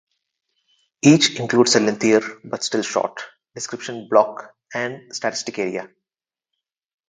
Each includes a lengthier, but still short, description block and statistic area.